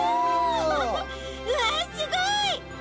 うわすごい！